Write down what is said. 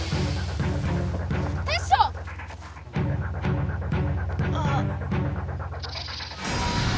テッショウ！あっ。